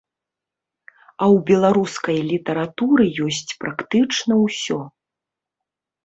А ў беларускай літаратуры ёсць практычна ўсё.